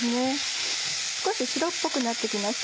少し白っぽくなって来ました。